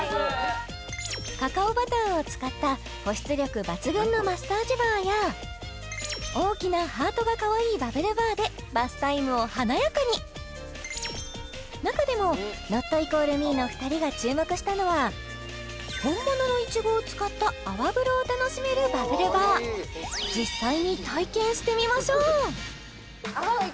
カカオバターを使った保湿力抜群のマッサージバーや大きなハートがかわいいバブルバーでバスタイムを華やかに中でも≠ＭＥの２人が注目したのは本物のいちごを使った泡風呂を楽しめるバブルバーしてみましょう！